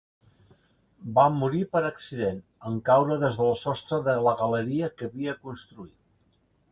Va morir per accident, en caure des del sostre de la galeria que havia construït.